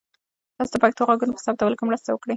تاسو د پښتو ږغونو په ثبتولو کې مرسته وکړئ.